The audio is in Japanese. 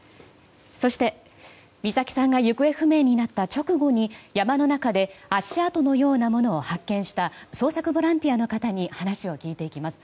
そして、美咲さんが行方不明になった直後に山の中で足跡のようなものを発見した捜索ボランティアの方に話を聞いていきます。